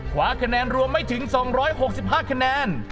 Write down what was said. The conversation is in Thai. คว้าคะแนนรวมไม่ถึง๒๖๕คะแนน